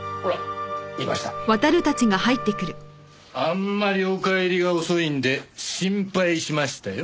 あんまりお帰りが遅いんで心配しましたよ。